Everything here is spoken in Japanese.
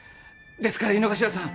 ですから井之頭さん